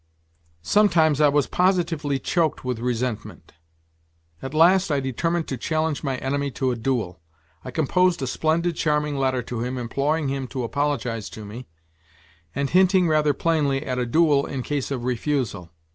Sometimes I was positively choked with resentment. At last I d' tcniiincd to challenge my enemy to a duel. I composed a splendid, charming letter to him, imploring him to apologize to me, and hinting rather plainly at a duel in case of refusal.